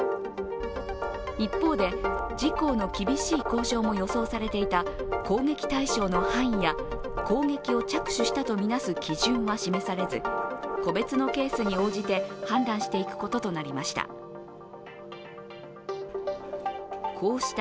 一方で、自公の厳しい交渉も予想されていた攻撃対象の範囲や攻撃を着手したとみなす基準は示されず、個別のケースに応じて判断していくこととなりました。